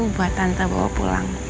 buat tante bawa pulang